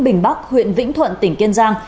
bình bắc huyện vĩnh thuận tỉnh kiên giang